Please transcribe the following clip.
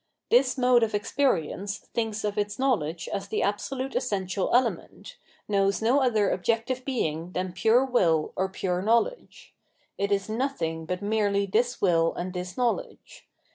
This mode of experience fhinks of its knowledge as the absolute essential element, knows no other objective being than pure will or pure knowledge. It is nothing but merely this will and this knowledge.